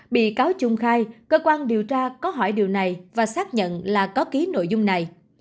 bị cáo trung khai cơ quan điều tra có hỏi điều này và xác nhận là có ký nội dung này